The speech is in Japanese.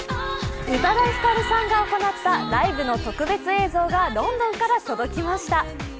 宇多田ヒカルさんが行ったライブの特別映像がロンドンから届きました。